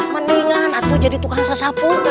mendingan aku jadi tukang sasapu